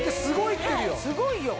すごいすごい！